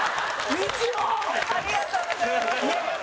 吉住：ありがとうございます。